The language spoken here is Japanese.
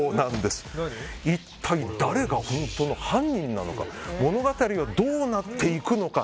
一体、誰が本当の犯人なのか物語はどうなっていくのか。